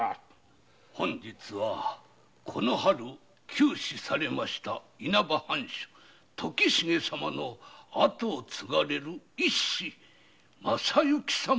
本日はこの春急死されました稲葉藩主時重様の跡を継がれる一子正行様